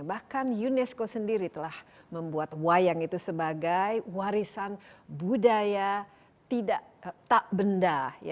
bahkan unesco sendiri telah membuat wayang itu sebagai warisan budaya tak benda